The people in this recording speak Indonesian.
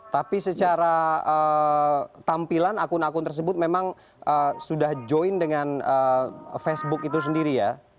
tapi secara tampilan akun akun tersebut memang sudah join dengan facebook itu sendiri ya